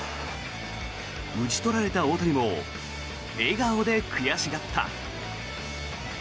打ち取られた大谷も笑顔で悔しがった。